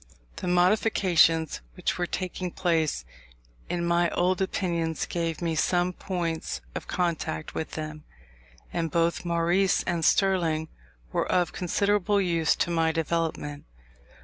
The modifications which were taking place in my old opinions gave me some points of contact with them; and both Maurice and Sterling were of considerable use to my development.